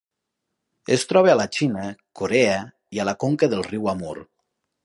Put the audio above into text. Es troba a la Xina, Corea i a la conca del riu Amur.